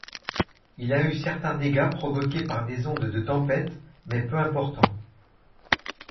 Il a eu certains dégâts provoqués par des ondes de tempêtes mais peu important.